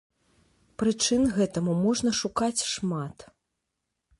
Прычын гэтаму можна шукаць шмат.